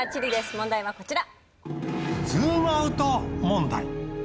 問題はこちら。